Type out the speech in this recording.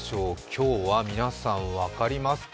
今日は皆さん、分かりますか？